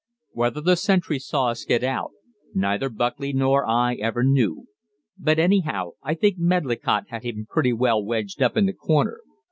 Whether the sentry saw us get out, neither Buckley nor I ever knew, but anyhow I think Medlicott had him pretty well wedged up in the corner.